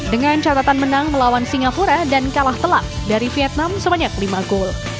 dengan catatan menang melawan singapura dan kalah telak dari vietnam sebanyak lima gol